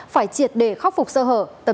phải triệt để khóc phục sơ hở